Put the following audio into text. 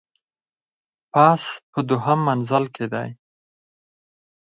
پاس په دوهم منزل کي دی .